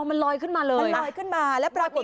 มันลอยขึ้นมาเลยมันลอยขึ้นมาแล้วปรากฏ